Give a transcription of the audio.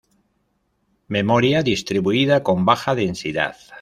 Memoria distribuida con baja densidad